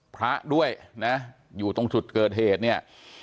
พระด้วยนะอยู่ตรงจุดเกิดเหตุเนี่ย